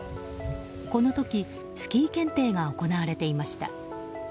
この時スキー検定が行われていました。